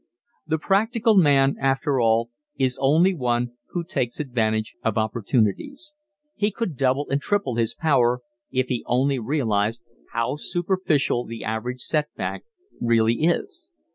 The practical man, after all, is only one who takes advantage of opportunities. He could double and triple his power if he only realized how superficial the average setback really is.